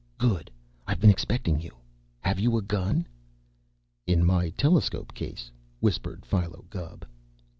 Good! I've been expecting you. Have you a gun?" "In my telescope case," whispered Philo Gubb.